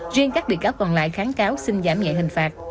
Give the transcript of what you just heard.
riêng các bị cáo còn lại kháng cáo xin giảm nhẹ hình phạt